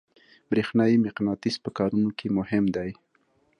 برېښنایي مقناطیس په کارونو کې مهم دی.